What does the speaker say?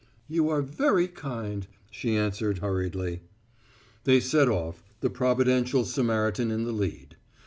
"You are very kind," she answered hurriedly. They set off, the providential Samaritan in the lead.